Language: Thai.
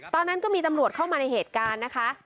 ตอนนั้นก็มีตำรวจเข้ามาในเหตุการณ์นะคะ